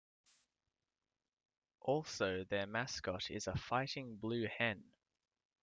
Also their mascot is a fighting blue hen.